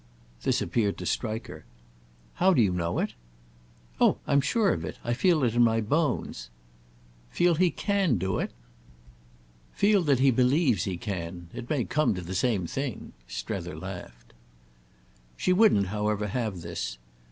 This appeared to strike her. "How do you know it?" "Oh I'm sure of it. I feel it in my bones." "Feel he can do it?" "Feel that he believes he can. It may come to the same thing!" Strether laughed. She wouldn't, however, have this.